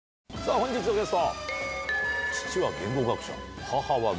本日のゲスト。